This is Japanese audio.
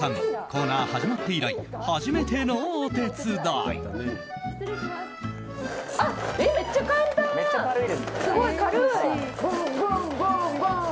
コーナー始まって以来初めてのお手伝い。